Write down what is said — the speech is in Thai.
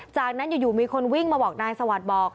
จากนั้นอยู่มีคนวิ่งมาบอกนายสวัสดิ์บอก